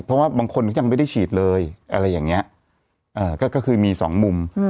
เพราะว่าบางคนเขายังไม่ได้ฉีดเลยอะไรอย่างนี้ก็คือมีสองมุม